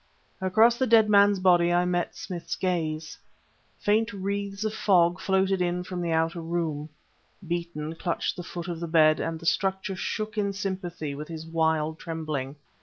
Across the dead man's body I met Smith's gaze. Faint wreaths of fog floated in from the outer room. Beeton clutched the foot of the bed, and the structure shook in sympathy with his wild trembling.